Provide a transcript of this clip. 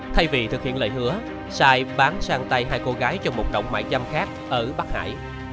thay vì thực hiện lời hứa sai bán sang tay hai cô gái cho một động mại dâm khác ở bắc hải